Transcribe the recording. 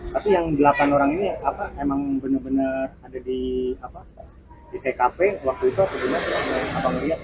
tapi yang delapan orang ini apa emang benar benar ada di tkp waktu itu atau gimana